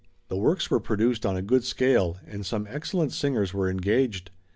The works were produced on a good scale, and some excellent singers were engaged.